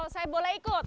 saya boleh ikut